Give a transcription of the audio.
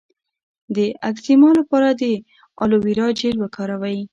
د اکزیما لپاره د ایلوویرا جیل وکاروئ